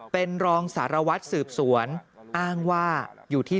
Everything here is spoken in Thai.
เป็นรองสารวัตรสืบสวนอ้างว่าอยู่ที่